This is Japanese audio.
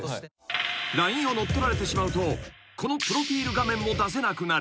［ＬＩＮＥを乗っ取られてしまうとこのプロフィル画面も出せなくなる］